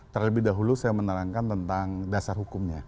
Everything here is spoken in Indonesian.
terlebih dahulu saya menerangkan tentang dasar hukumnya